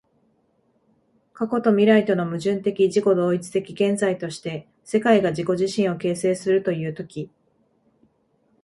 過去と未来との矛盾的自己同一的現在として、世界が自己自身を形成するという時